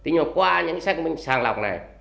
nhưng qua những xác minh sàng lọc